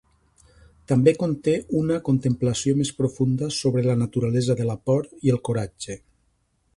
També conté una contemplació més profunda sobre la naturalesa de la por i el coratge.